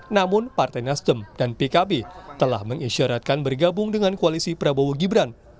namun partai nasdem dan pkb telah mengisyaratkan bergabung dengan koalisi prabowo gibran